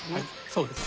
そうです。